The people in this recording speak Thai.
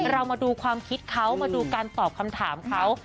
เรามาดูความคิดเขามาดูการตอบคำถามเขา